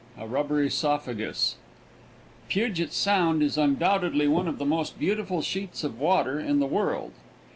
A RUBBER ESOPHAGUS. XXVI Puget Sound is undoubtedly one of the most beautiful sheets of water in the world.